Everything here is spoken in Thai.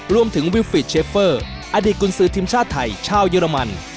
วิวฟิดเชฟเฟอร์อดีตกุญสือทีมชาติไทยชาวเยอรมัน